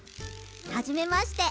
はじめまして。